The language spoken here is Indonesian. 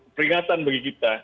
peringatan bagi kita